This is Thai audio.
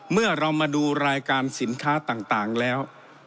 เมื่อเรามาดูรายการสินค้าต่างแล้ว